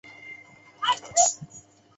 佩纳福蒂是巴西塞阿拉州的一个市镇。